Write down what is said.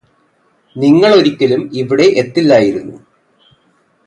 നിങ്ങളൊരിക്കലും ഇവിടെ എത്തില്ലായിരുന്നു